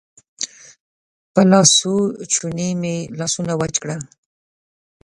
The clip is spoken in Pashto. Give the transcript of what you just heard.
په لاسوچوني مې لاسونه وچ کړل.